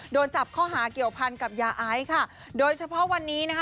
โดนจับข้อหาเกี่ยวพันกับยาไอซ์ค่ะโดยเฉพาะวันนี้นะคะ